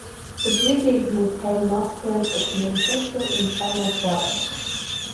The brigade would have mustered at Manchester in time of war.